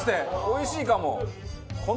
おいしいかも！